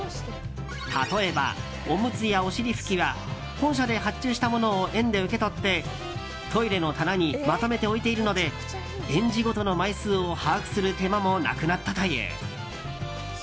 例えばおむつやおしり拭きは本社で発注したものを園で受け取って、トイレの棚にまとめて置いているので園児ごとの枚数を把握する手間もなくなったという。